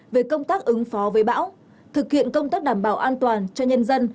về công tác ứng phó với bão thực hiện công tác đảm bảo an toàn cho nhân dân